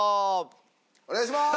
お願いします！